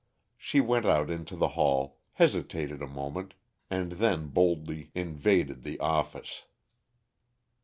She went out into the hall, hesitated a moment, and then boldly invaded the "office."